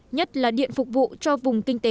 nhất là điện phục vụ cho vùng kinh tế